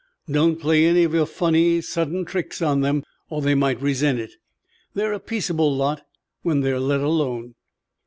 Don't play any of your funny, sudden tricks on them or they might resent it. They're a peaceable lot when they're let alone."